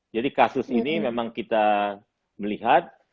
jadi kasus ini memang kita melihat